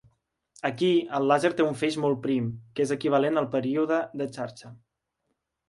Aquí, el làser té un feix molt prim que és equivalent al període de xarxa.